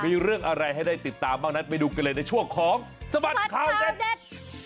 มีเรื่องอะไรให้ได้ติดตามบ้างนั้นไปดูกันเลยในช่วงของสบัดข่าวเด็ด